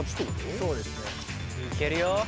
いけるよ。